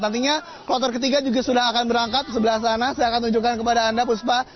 nantinya kloter ketiga juga sudah akan berangkat sebelah sana saya akan tunjukkan kepada anda puspa